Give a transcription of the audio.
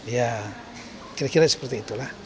ya kira kira seperti itulah